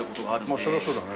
まあそりゃそうだね。